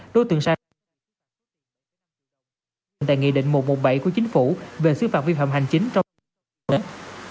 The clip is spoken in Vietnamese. đối tượng sa đéc đã đồng hành tại nghị định một trăm một mươi bảy của chính phủ về xử phạt vi phạm hành chính trong cơ quan nhà nước